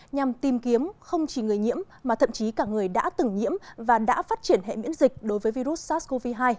nhằm tìm kiếm không chỉ người nhiễm mà thậm chí cả người đã từng nhiễm và đã phát triển hệ miễn dịch đối với virus sars cov hai